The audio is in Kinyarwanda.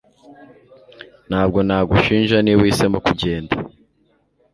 Ntabwo nagushinja niba uhisemo kugenda